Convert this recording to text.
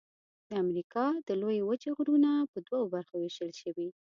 د امریکا د لویې وچې غرونه په دوو برخو ویشل شوي.